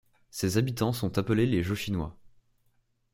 Ses habitants sont appelés les Jochinois.